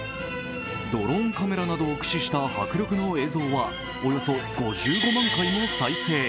ドローンカメラなどを駆使した迫力の映像はおよそ５５万回も再生。